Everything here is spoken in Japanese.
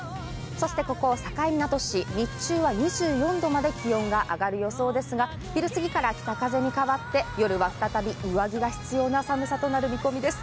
ここ、境港市、日中は２４度まで気温が上がる予想ですが、昼すぎから北風に変わって、夜は再び上着が必要な寒さとなる見込みです。